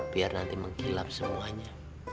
biar nanti mengkilap semuanya